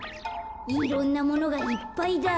いろんなものがいっぱいだ。